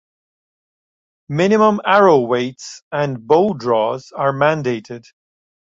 Minimum arrow weights and bow draws are mandated.